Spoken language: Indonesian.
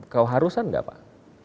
keharusan gak pak